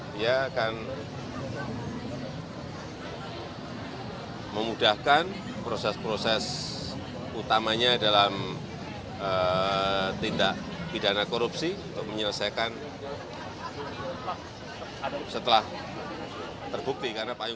dia akan memudahkan proses proses utamanya dalam tindak pidana korupsi untuk menyelesaikan setelah terbukti karena payung